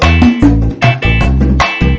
hanya gua pucciin ya